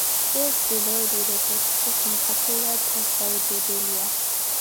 ეს ტილოები, როგორც წესი, მხატვრულად ფასდაუდებელია.